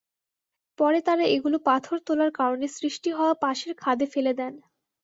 পরে তাঁরা এগুলো পাথর তোলার কারণে সৃষ্টি হওয়া পাশের খাদে ফেলে দেন।